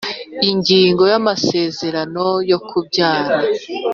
Ingingo ya amasezerano yo kubyaza